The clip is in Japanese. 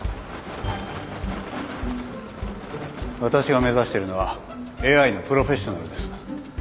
私が目指しているのはＡｉのプロフェッショナルです。